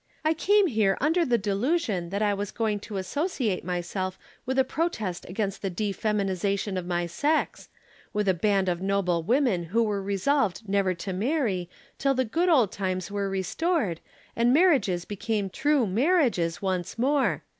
"I came here under the delusion that I was going to associate myself with a protest against the defeminization of my sex, with a band of noble women who were resolved never to marry till the good old times were restored and marriages became true marriages once more.